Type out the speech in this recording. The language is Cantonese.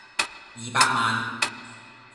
二百萬